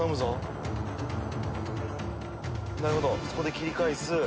そこで切り返す。